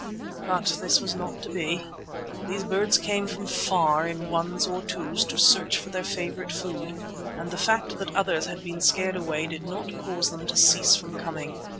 But this was not to be. These birds came from far in ones or twos to search for their favourite food, and the fact that others had been scared away did not cause them to cease from coming.